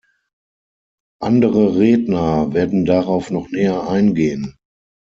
Andere Redner werden darauf noch näher eingehen.